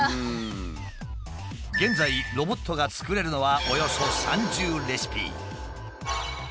現在ロボットが作れるのはおよそ３０レシピ。